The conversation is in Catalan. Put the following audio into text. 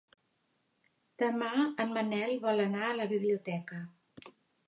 Demà en Manel vol anar a la biblioteca.